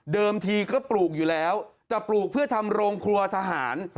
ทีก็ปลูกอยู่แล้วจะปลูกเพื่อทำโรงครัวทหาร